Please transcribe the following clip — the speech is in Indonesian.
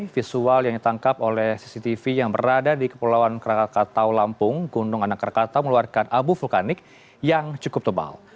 visual yang ditangkap oleh cctv yang berada di kepulauan krakatau lampung gunung anak rakatau mengeluarkan abu vulkanik yang cukup tebal